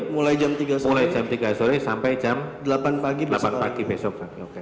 mulai jam tiga sore sampai jam delapan pagi besok